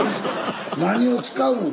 何を使うの？